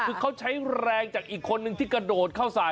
คือเขาใช้แรงจากอีกคนนึงที่กระโดดเข้าใส่